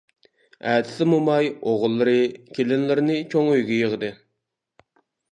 ئەتىسى موماي ئوغۇللىرى، كېلىنلىرىنى چوڭ ئۆيگە يىغدى.